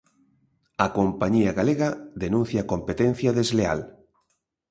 A compañía galega denuncia competencia desleal.